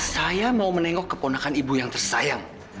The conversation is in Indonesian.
saya mau menengok keponakan ibu yang tersayang